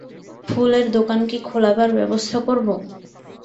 ফুলের দোকান কি খোলাবার ব্যবস্থা করব?